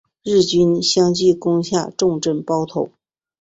日军相继攻下重镇包头。